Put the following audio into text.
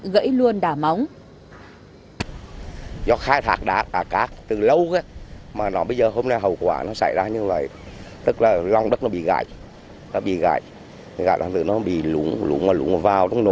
gãy luôn đả móng